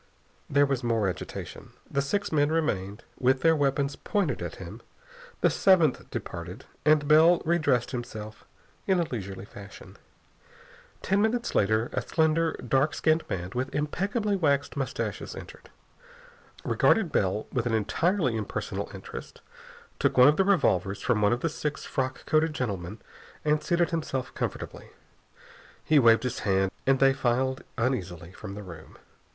There was more agitation. The six men remained; with their weapons pointed at him. The seventh departed, and Bell re dressed himself in a leisurely fashion. Ten minutes later a slender, dark skinned man with impeccably waxed moustaches entered, regarded Bell with an entirely impersonal interest, took one of the revolvers from one of the six frock coated gentlemen, and seated himself comfortably. He waved his hand and they filed uneasily from the room.